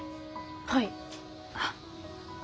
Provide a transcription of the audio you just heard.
はい。